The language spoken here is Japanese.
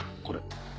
これ。